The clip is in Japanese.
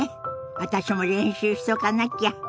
私も練習しとかなきゃ。